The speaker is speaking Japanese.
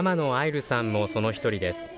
琉さんもその１人です。